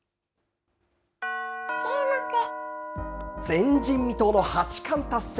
前人未到の八冠達成。